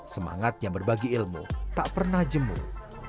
semangatnya berbagi ilmu tak pernah jemur